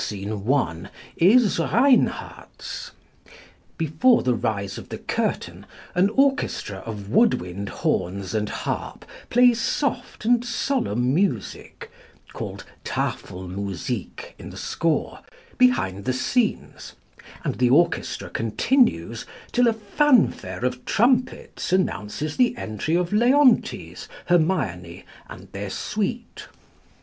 Scene 1, is Reinhardt's. Before the rise of the curtain an orchestra of wood wind, horns, and harp plays soft and solemn music (called "Tafelmusik" in the score) behind the scenes, and the orchestra continues till a fanfare of trumpets announces the entrance of Leontes, Hermione, and their suite.